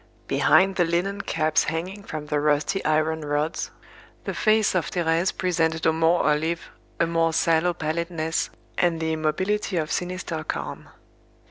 Behind the linen caps hanging from the rusty iron rods, the face of Thérèse presented a more olive, a more sallow pallidness, and the immobility of sinister calm.